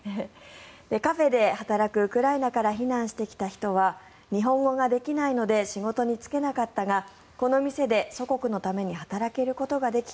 カフェで働くウクライナから避難してきた人は日本語ができないので仕事に就けなかったがこの店で祖国のために働けることができ